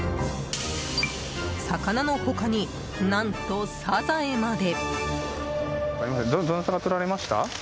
魚の他に、何とサザエまで。